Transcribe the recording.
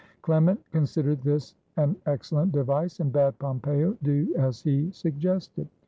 Clement considered this an excellent device and bade Pompeo do as he suggested.